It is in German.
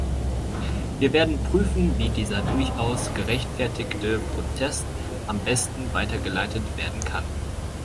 Wir werden prüfen, wie dieser durchaus gerechtfertigte Protest am besten weitergeleitet werden kann.